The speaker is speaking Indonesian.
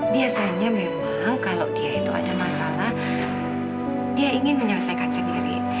biasanya memang kalau dia itu ada masalah dia ingin menyelesaikan sendiri